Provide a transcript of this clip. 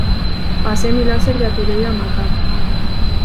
Pasé mi láser de aturdir a matar.